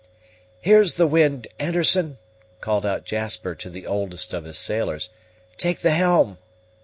"Here's the wind, Anderson," called out Jasper to the oldest of his sailors; "take the helm."